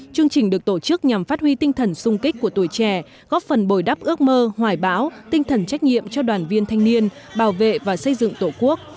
chương trình được tổ chức nhằm phát huy tinh thần sung kích của tuổi trẻ góp phần bồi đắp ước mơ hoài bão tinh thần trách nhiệm cho đoàn viên thanh niên bảo vệ và xây dựng tổ quốc